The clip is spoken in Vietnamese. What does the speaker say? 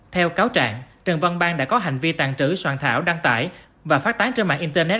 theo cáo trạng trần văn bang đã có hành vi tàn trữ soạn thảo đăng tải và phát tán trên mạng internet